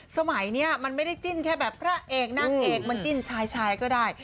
สมัยนี้มันไม่ได้จิ้นแค่แบบพระเอกนางเอกมันจิ้นชายชายก็ได้